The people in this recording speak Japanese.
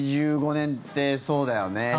８５年って、そうだよね。